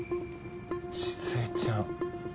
静江ちゃん。